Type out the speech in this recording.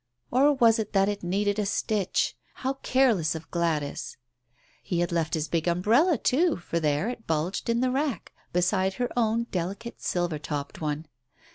Or was it that it needed a stitch ? How careless of Gladys ! He had left his big umbrella too, for there it bulged in the rack, beside her own delicate silver topped one.